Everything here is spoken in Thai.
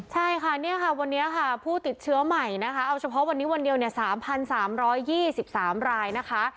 ใช่ค่ะเนี่ยค่ะวันนี้ค่ะผู้ติดเชื้อใหม่นะคะเอาเฉพาะวันนี้วันเดียวเนี่ยสามพันสามร้อยยี่สิบสามรายนะคะ